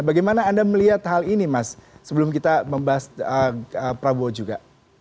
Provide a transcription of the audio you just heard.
bagaimana anda melihat hal ini mas sebelum kita membahas prabowo juga